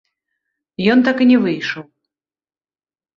Ён так і не выйшаў.